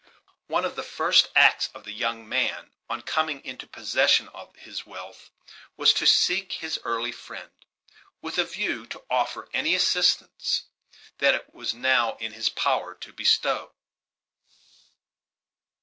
One of the first acts of the young man, on coming into possession of his wealth, was to seek his early friend, with a view to offer any assistance that it was now in his power to bestow.